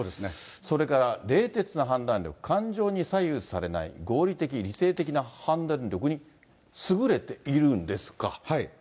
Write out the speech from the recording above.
それから冷徹な判断力、感情に左右されない、合理的・理性的な判断力に優れているんですか。